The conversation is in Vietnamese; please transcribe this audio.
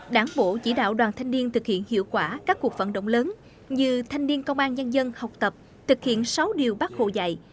đảng bộ chỉ đạo đoàn thanh niên thực hiện hiệu quả các cuộc vận động lớn như thanh niên công an nhân dân học tập thực hiện sáu điều bác hồ dạy